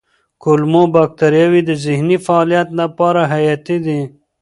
کولمو بکتریاوې د ذهني فعالیت لپاره حیاتي دي.